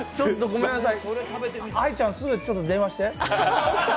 愛ちゃんすぐ電話して。